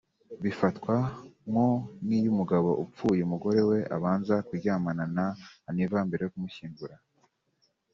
bifatwa ko nk’iyo umugabo apfuye umugore we abanza kuryamana na Aniva mbere yo kumushyingura